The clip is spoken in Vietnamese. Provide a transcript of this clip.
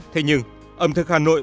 thế nhưng ẩm thực hà nội